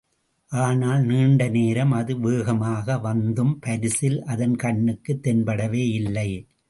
ஆனால், நீண்ட நேரம் அது வேகமாக வந்தும் பரிசல் அதன் கண்ணுக்குத் தென்படவே இல்லை.